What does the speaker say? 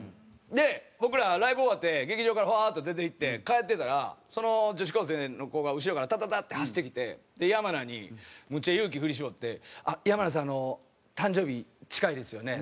で僕らライブ終わって劇場からフワーッと出ていって帰ってたらその女子高生の子が後ろからタタタッて走ってきて山名にむっちゃ勇気振り絞って「山名さん誕生日近いですよね？」